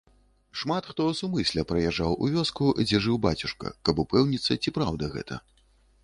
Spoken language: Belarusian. Шмат хто сумысля прыязджаў у вёску, дзе жыў бацюшка, каб упэўніцца, ці праўда гэта.